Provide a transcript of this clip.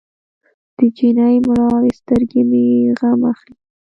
د جینۍ مړاوې سترګې مې غم اخلي.